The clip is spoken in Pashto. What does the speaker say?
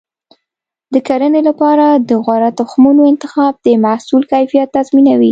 د کرنې لپاره د غوره تخمونو انتخاب د محصول کیفیت تضمینوي.